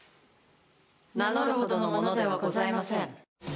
名乗るほどの者ではございません。